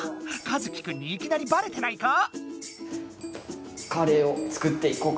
一樹くんにいきなりバレてないか？